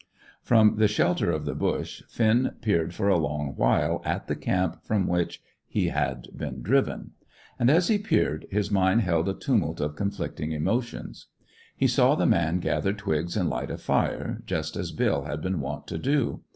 From the shelter of the bush, Finn peered for a long while at the camp from which he had been driven; and as he peered his mind held a tumult of conflicting emotions. He saw the man gather twigs and light a fire, just as Bill had been wont to do.